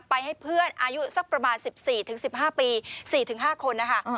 ให้เพื่อนอายุสักประมาณ๑๔๑๕ปี๔๕คนนะคะ